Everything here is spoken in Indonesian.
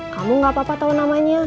kamu gak apa apa tahu namanya